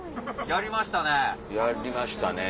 やりましたね。